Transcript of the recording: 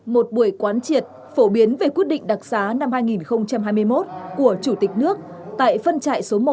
một buổi quán triệt phổ biến về quyết định đặc xá năm hai nghìn hai mươi một của chủ tịch nước tại phân trại số một